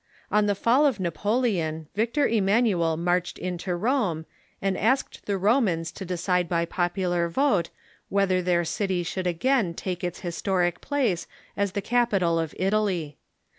On the fall of Napoleon, Victor I]mmanuel marched into Rome, 390 THE MODERN CHURCH and asked the Romans to decide by popular vote whether their city should again take its historic place as the capital of Italy.